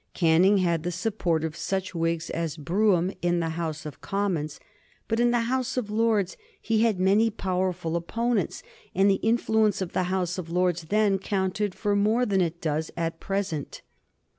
Canning had the support of such Whigs as Brougham in the House of Commons, but in the House of Lords he had many powerful opponents, and the influence of the House of Lords then counted for more than it does at present.